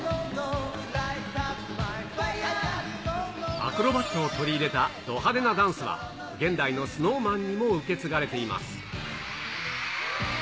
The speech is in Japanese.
アクロバットを取り入れたど派手なダンスは、現代のＳｎｏｗＭａｎにも受け継がれています。